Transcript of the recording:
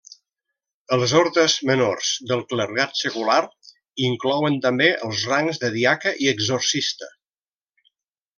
Els ordes menors del clergat secular inclouen també els rangs de diaca i exorcista.